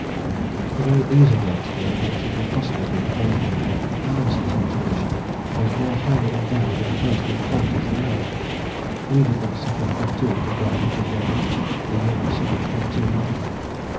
The very ease of the exploit makes it impossible to infer from it that Amundsen's expedition was more highly endowed in personal qualities than ours. We did not suffer from too little brains or daring: we may have suffered from too much.